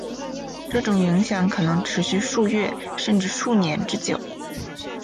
这种影响可能持续数月甚至数年之久。